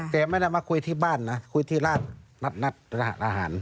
แต่ไม่ได้มาคุยที่บ้านนะคุยที่ร้านนัดอาหาร